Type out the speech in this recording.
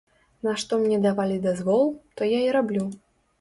На што мне далі дазвол, то я і раблю.